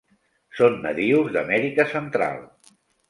Són nadius d'Amèrica Central.